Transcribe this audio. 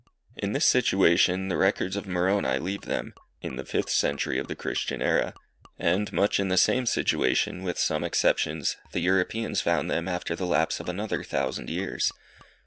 In this situation the records of Moroni leave them, in the fifth century of the Christian era, and much in the same situation, with some exceptions, the Europeans found them after the lapse of another thousand years.